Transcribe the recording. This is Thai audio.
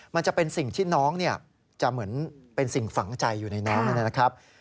มันจะเป็นสิ่งที่น้องจะเหมือนเป็นสิ่งฝังใจอยู่ในน้องนะครับ